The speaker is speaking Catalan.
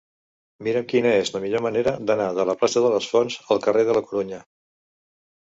Mira'm quina és la millor manera d'anar de la plaça de les Fonts al carrer de la Corunya.